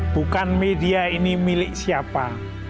bukan media ini milik siapa